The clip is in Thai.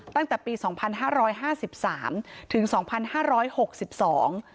ตั้งแต่ปีสองพันห้าร้อยห้าสิบสามถึงสองพันห้าร้อยหกสิบสอง